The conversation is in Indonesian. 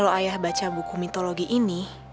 kalau ayah baca buku mitologi ini